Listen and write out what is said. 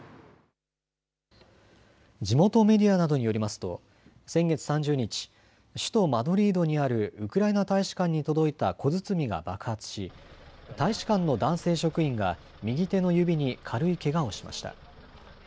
地元メディアなどによりますと先月３０日、首都マドリードにあるウクライナ大使館に届いた小包が爆発し大使館の男性職員が右手の指に軽いけがをしました。